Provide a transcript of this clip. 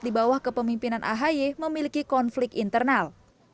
dibawah kepemimpinan ahy memiliki konflik internal